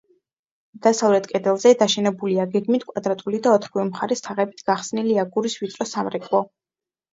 დასავლეთ კედელზე დაშენებულია გეგმით კვადრატული და ოთხივე მხარეს თაღებით გახსნილი აგურის ვიწრო სამრეკლო.